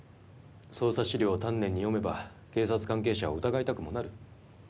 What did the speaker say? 捜査資料を丹念に読めば警察関係者を疑いたくもなる。